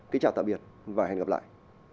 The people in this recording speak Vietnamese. kính chào tạm biệt và hẹn gặp lại